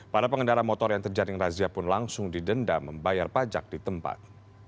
para pengendara motor yang terjaring razia pun langsung didenda membayar pajak di tempat